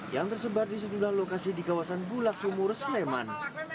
yang tersebar di sejumlah lokasi di kawasan bulak sumur sleman